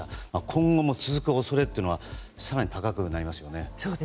今後も続く恐れは更に高くなりますよね。